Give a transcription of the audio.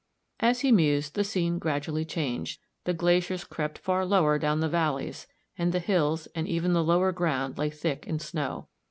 _" As he mused the scene gradually changed. The glaciers crept far lower down the valleys, and the hills, and even the lower ground, lay thick in snow.